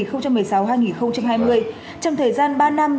trong thời gian ba năm